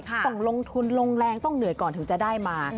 ต้องลงทุนลงแรงต้องเหนื่อยก่อนถึงจะได้มา